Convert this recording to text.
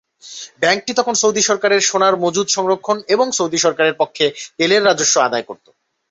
ব্যাংকটি তখন সৌদি সরকারের সোনার মজুদ সংরক্ষণ এবং সৌদি সরকারের পক্ষে তেলের রাজস্ব আদায় করতো।